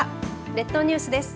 列島ニュースです。